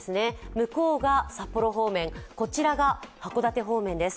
向こうが札幌方面、こちらが函館方面です。